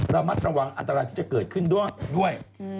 ระมัดระวังอันตรายที่จะเกิดขึ้นด้วย